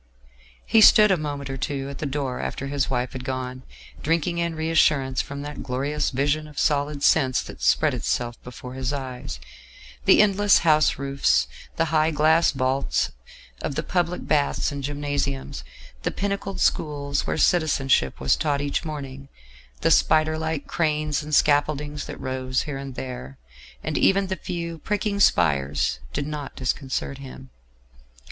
He stood a moment or two at the door after his wife had gone, drinking in reassurance from that glorious vision of solid sense that spread itself before his eyes: the endless house roofs; the high glass vaults of the public baths and gymnasiums; the pinnacled schools where Citizenship was taught each morning; the spider like cranes and scaffoldings that rose here and there; and even the few pricking spires did not disconcert him.